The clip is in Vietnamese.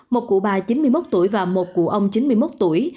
một cụ bà chín mươi một tuổi và một cụ ông chín mươi một tuổi